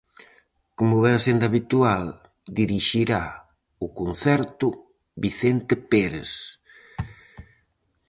Como vén sendo habitual, dirixirá o concerto Vicente Pérez.